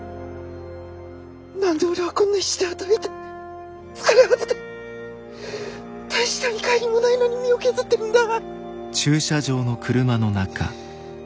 何で俺はこんな必死で働いて疲れ果てて大した見返りもないのに身を削ってるんだ。